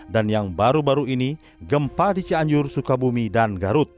dan yang baru baru ini gempa dician